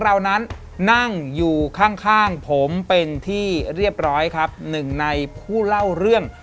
เรานั้นนั่งอยู่ข้างข้างผมเป็นที่เรียบร้อยครับหนึ่งในผู้เล่าเรื่อง